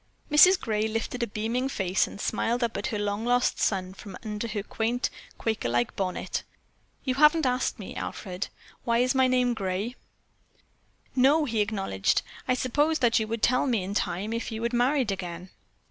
Mrs. Gray lifted a beaming face and smiled up at her long lost son from under her quaint Quaker like bonnet. "You haven't asked me, Alfred, why my name is Gray?" "No," he acknowledged, "I supposed that you would tell me in time if you had married again."